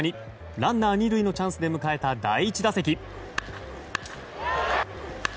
ランナー２塁のチャンスで迎えた第１打席。